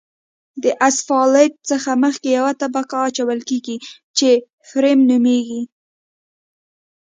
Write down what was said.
د اسفالټ څخه مخکې یوه طبقه اچول کیږي چې فریم نومیږي